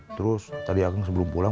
terus tadi agung sebelum pulang